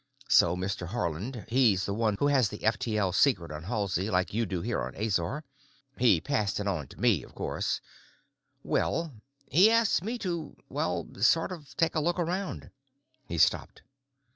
So Mr. Haarland—he's the one who has the F T L secret on Halsey, like you do here on Azor—he passed it on to me, of course—well, he asked me to, well, sort of take a look around." He stopped.